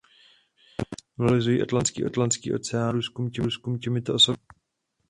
Vlny symbolizují Atlantský oceán a jeho průzkum těmito osobnostmi.